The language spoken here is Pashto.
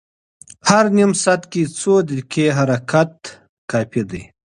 هر نیم ساعت کې څو دقیقې حرکت کافي دی.